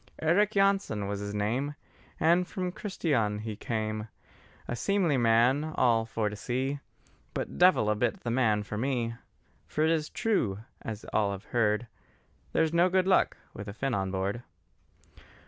Eric Jansen was his name, And from Christián' he came; A seemly man all for to see, But devil a bit the man for me: For it is true, as all have heard, There's no good luck with a Finn on board.